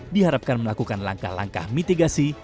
diharapkan melakukan langkah langkah mitigasi